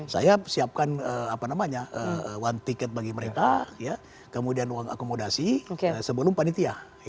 saya siapkan one ticket bagi mereka kemudian uang akomodasi sebelum panitia